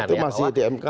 ya itu masih di mk